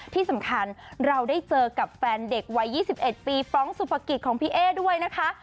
ที่สำคัญเราได้เจอกับแฟนเด็กวัย๒๑ปีฟร้องสุภกิจของพี่เอ๊ด้วยนะคะ